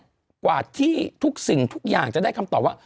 กว่าที่ทุกสิ่งทุกอย่างจะได้คำตอบว่า